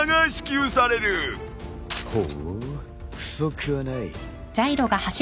ほう不足はない。